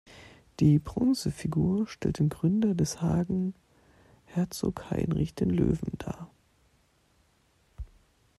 Die Bronzefigur stellt den Gründer des Hagen, Herzog Heinrich den Löwen, dar.